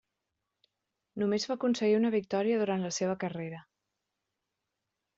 Només va aconseguir una victòria durant la seva carrera.